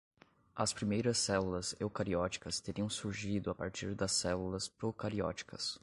As primeiras células eucarióticas teriam surgido a partir das células procarióticas